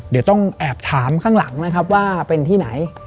เดี๋ยวต้องแอบถามข้างหลังนะครับว่าเป็นที่ไหน